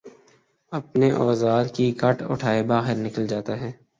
اپنے اوزار کی کٹ اٹھائے باہر نکل جاتا ہے